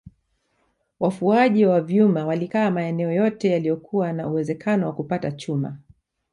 Wafuaji wa vyuma walikaa maeneo yote yaliyokuwa na uwezekano wa kupata chuma